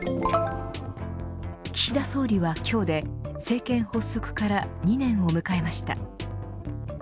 岸田総理は今日で政権発足から２年を迎えました。